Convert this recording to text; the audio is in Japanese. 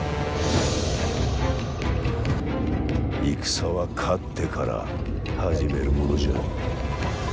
戦は勝ってから始めるものじゃ。